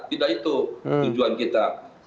tidak itu tujuan kita